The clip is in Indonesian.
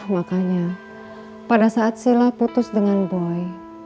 makanya pada saat sila putus dengan boy